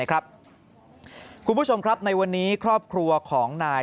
คุณผู้ชมครับในวันนี้ครอบครัวของนาย